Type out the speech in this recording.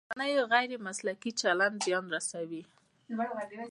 د رسنیو غیر مسلکي چلند زیان رسوي.